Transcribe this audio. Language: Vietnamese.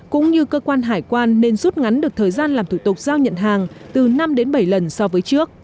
cũng như cơ quan hải quan nên rút ngắn được thời gian làm thủ tục giao nhận hàng từ năm đến bảy lần so với trước